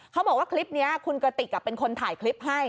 เขาบอกว่าคลิปนี้คุณกระติกเป็นคนถ่ายคลิปให้